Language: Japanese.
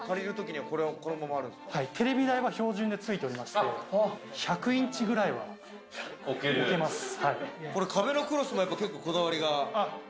テレビ台は標準でついておりまして、１００インチくらいは壁のクロスもこだわりが。